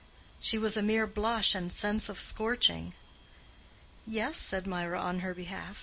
She was a mere blush and sense of scorching. "Yes," said Mirah, on her behalf.